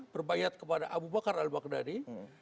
berbayat kepada abu bakar al baghdadi